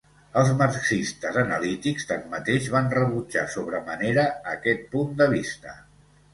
Els marxistes analítics, tanmateix, van rebutjar sobre manera aquest punt de vista.